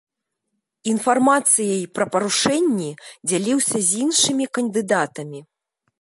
Інфармацыяй пра парушэнні дзяліўся з іншымі кандыдатамі.